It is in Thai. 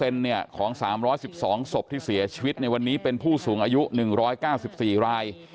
เป็นของ๓๑๒ศพที่เสียชีวิตในวันนี้เป็นผู้สูงอายุ๑๙๔ราย